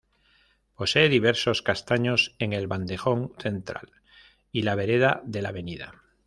Posee diversos castaños en el bandejón central y la vereda de la avenida.